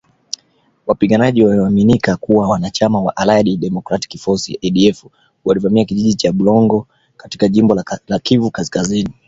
Wapiganaji wanaoaminika kuwa wanachama wa Allied Democratic Forces (ADF) walivamia kijiji cha Bulongo katika jimbo la Kivu kaskazini